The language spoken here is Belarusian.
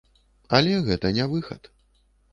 Але гэта не выхад.